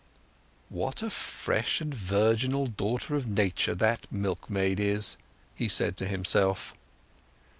"What a fresh and virginal daughter of Nature that milkmaid is!" he said to himself.